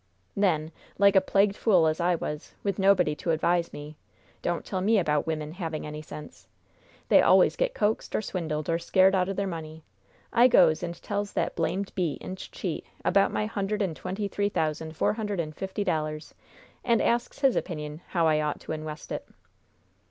"Then, like a plagued fool as I was, with nobody to advise me don't tell me about wimmen having any sense! They always get coaxed, or swindled, or scared out o' their money! I goes and tells that blamed beat and cheat about my hundred and twenty three thousand four hundred and fifty dollars, and asks his opinion how I ought to inwest it.